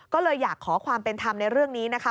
ก็เลยอยากขอความเป็นธรรมในเรื่องนี้นะคะ